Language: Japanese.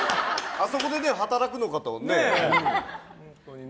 あそこで働くのかとね。